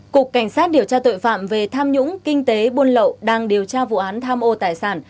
cục cảnh sát điều tra tội phạm về tham nhũng kinh tế buôn lậu đang điều tra vụ án tham ô tài sản